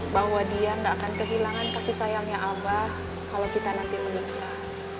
bahwa dia gak akan kehilangan kasih sayangnya abah kalau kita nanti meninggal